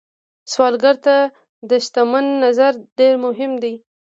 سوالګر ته د شتمن نظر ډېر مهم دی